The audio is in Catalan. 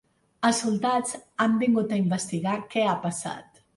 Els soldats han vingut a investigar què ha passat.